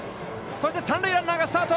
そして三塁ランナーがスタート！